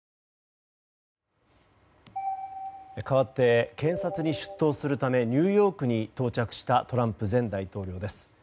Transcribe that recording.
かわって検察に出頭するためニューヨークに到着したトランプ前大統領です。